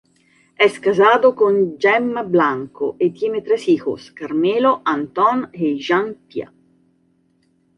Es casado con Gemma Bianco y tiene tres hijos: Carmelo, Anton y Jeanne-Pia.